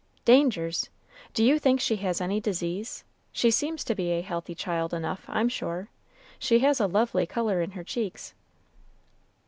"Dangers! Do you think she has any disease? She seems to be a healthy child enough, I'm sure. She has a lovely color in her cheeks."